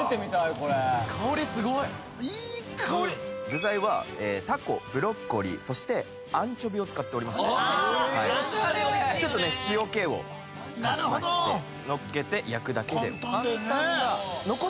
これいい香り具材はタコブロッコリーそしてアンチョビを使っておりましてちょっとね塩気を足しましてのっけて焼くだけで簡単だよね